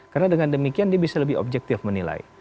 karena dengan demikian dia bisa lebih objektif menilai